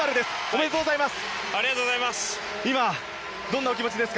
おめでとうございます。